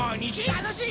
たのしい